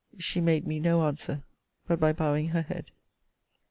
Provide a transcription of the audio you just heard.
She made me no answer, but by bowing her head.